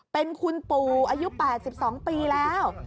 เป็นคุณปู่อายุ๘๒ปีแล้ว